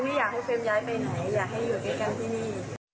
ไม่อยากให้เฟรมย้ายไปไหนอยากให้อยู่ด้วยกันที่นี่